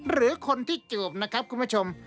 หรือคนที่จูบนะครับคุณผู้ชม